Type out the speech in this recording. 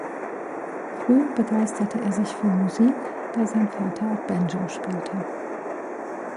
Früh begeisterte er sich für Musik, da sein Vater auch Banjo spielte.